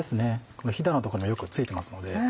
このひだの所もよく付いてますので。